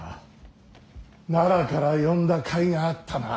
奈良から呼んだ甲斐があったな。